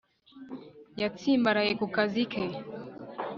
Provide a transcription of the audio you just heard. yatsimbaraye ku kazi ke